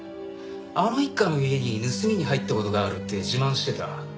あの一家の家に盗みに入った事があるって自慢してた。